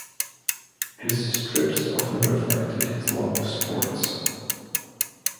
His strips often reflected his love of sports.